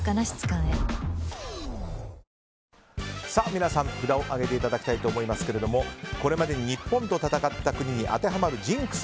皆さん札を上げていただきたいと思いますがこれまでに日本と戦った国に当てはまるジンクス。